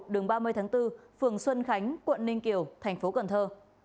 đường ba mươi tháng bốn phường xuân khánh quận ninh kiều thành phố cần thơ